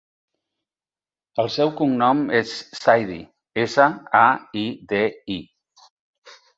El seu cognom és Saidi: essa, a, i, de, i.